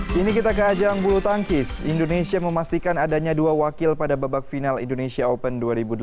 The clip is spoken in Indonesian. kini kita ke ajang bulu tangkis indonesia memastikan adanya dua wakil pada babak final indonesia open dua ribu delapan belas